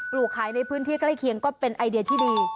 ลูกขายในพื้นที่ใกล้เคียงก็เป็นไอเดียที่ดี